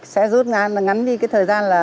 sẽ rút ngắn đi cái thời gian